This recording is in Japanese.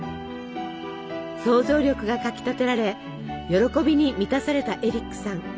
想像力がかきたてられ喜びに満たされたエリックさん。